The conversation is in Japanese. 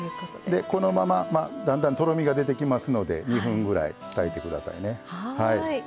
でこのままだんだんとろみが出てきますので２分ぐらい炊いてくださいね。